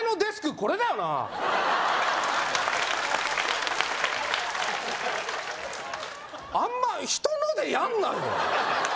これだよなあんま人のでやんなよ